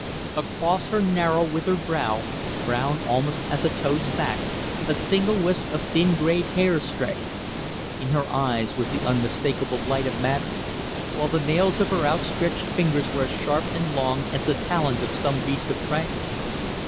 Across her narrow, withered brow, brown almost as a toad's back, a single wisp of thin grey hair strayed; in her eyes was the unmistakeable light of madness, while the nails of her outstretched fingers were as sharp and long as the talons of some beast of prey.